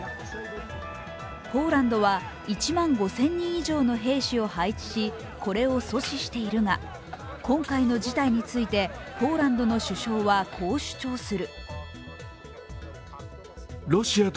ポーランドは１万５０００人以上の兵士を配置し、これを阻止しているが今回の事態についてポーランドの首相は、こう主張する。